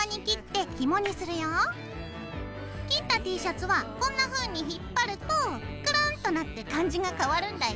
切ったＴシャツはこんなふうに引っ張るとくるんっとなって感じが変わるんだよ。